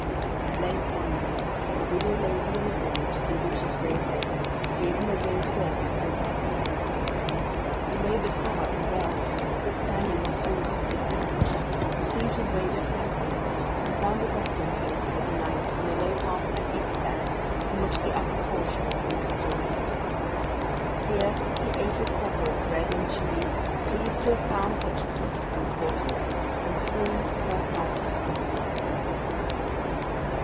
At length, one day, a widow lady in a village through which his road led him, gave him a day's work in her garden. He laboured hard and well, notwithstanding his soon blistered hands, received his wages thankfully, and found a resting place for the night on the low part of a haystack from which the upper portion had been cut away. Here he ate his supper of bread and cheese, pleased to have found such comfortable quarters, and soon fell fast asleep.